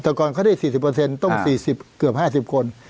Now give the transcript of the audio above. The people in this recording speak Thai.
แต่ก่อนเขาได้๔๐ต้อง๔๐เกือบ๕๐คน